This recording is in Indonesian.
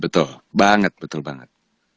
betul banget betul banget